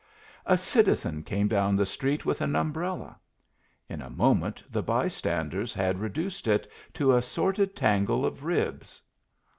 A citizen came down the street with an umbrella. In a moment the by standers had reduced it to a sordid tangle of ribs.